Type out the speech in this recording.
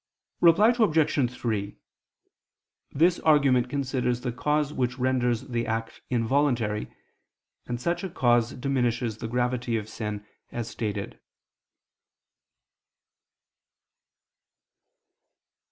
Reply Obj. 3: This argument considers the cause which renders the act involuntary, and such a cause diminishes the gravity of sin, as stated.